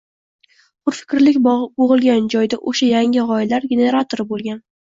Hurfikrlik bo‘g‘ilgan joyda o‘sha — yangi g‘oyalar generatori bo‘lgan